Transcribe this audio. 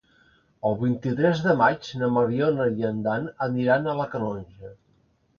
El vint-i-tres de maig na Mariona i en Dan aniran a la Canonja.